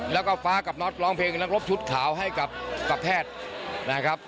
แล้วก็ฟ้ากับน็อตร้องเพลงนักรบชุดขาวให้กับแพทย์นะครับ